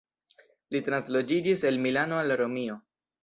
Li transloĝiĝis el Milano al Romio.